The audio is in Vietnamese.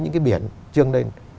những cái biển trương lên